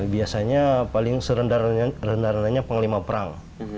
biasanya paling serendah rendahnya penglima perang